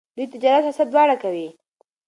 دوی تجارت او سیاست دواړه کوي.